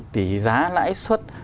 thì giá lãi xuất